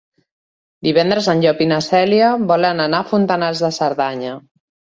Divendres en Llop i na Cèlia volen anar a Fontanals de Cerdanya.